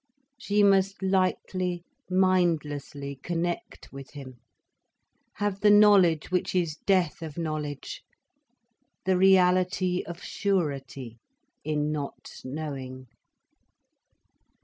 She must lightly, mindlessly connect with him, have the knowledge which is death of knowledge, the reality of surety in not knowing.